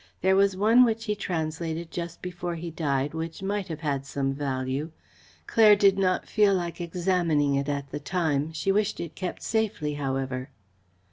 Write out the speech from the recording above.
"There was one which he translated just before he died, which might have had some value. Claire did not feel like examining it at the time. She wished it kept safely, however."